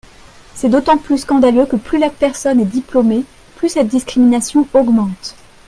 C’est d’autant plus scandaleux que plus la personne est diplômée, plus cette discrimination augmente.